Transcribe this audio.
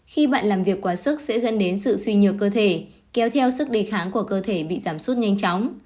khi bạn làm việc quá sức sẽ dẫn đến sự suy nhược cơ thể kéo theo sức đề kháng của cơ thể bị giảm suốt nhanh chóng